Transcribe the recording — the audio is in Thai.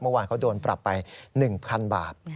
เมื่อวานเขาโดนปรับไป๑๐๐๐บาท